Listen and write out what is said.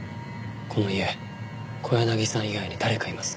この家小柳さん以外に誰かいます。